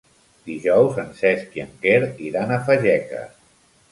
Dijous en Cesc i en Quer iran a Fageca.